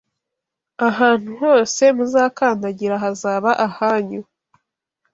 Ahantu hose muzakandagira hazaba ahanyu